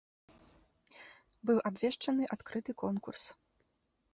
Быў абвешчаны адкрыты конкурс.